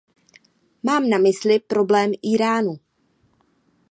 Mám na mysli problém Íránu.